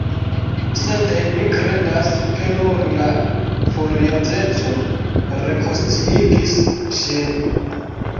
Sed mi kredas, ke nur la furiozeco rekonsciigis ŝin.